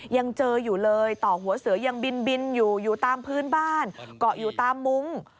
ยังเจออยู่เลยต่อหัวเสือยังบินอยู่อยู่ตามพื้นบ้านเกาะอยู่ตามมุ้ง